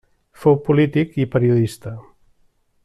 Fou polític i periodista.